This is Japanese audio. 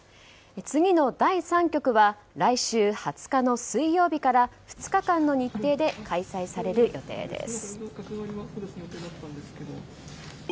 次の第３局は来週２０日の水曜日から２日間の日程で開催される予定です。